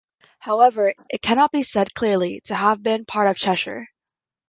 However, it cannot be said clearly to have been part of Cheshire.